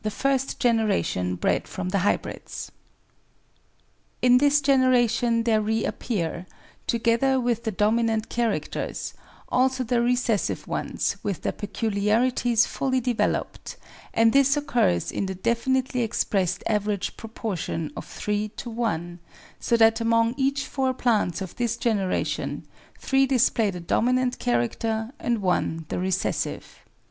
[F 2 ] The Generation [bred] from the Hybrids In this generation there reappear, together with the dominant characters, also the recessive ones with their peculiarities fully developed, and this occurs in the definitely expressed average pro portion of three to one, so that among each four plants of this generation three display the dominant character and one the recessive.